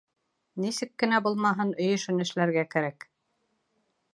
Нисек кенә булмаһын, өй эшен эшләргә кәрәк